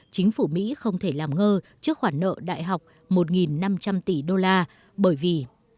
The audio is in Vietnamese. chính phủ mỹ không thể làm ngơ trước khoản nợ đại học một năm trăm linh tỷ đô la bởi vì